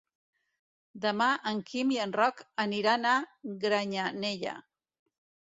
Demà en Quim i en Roc aniran a Granyanella.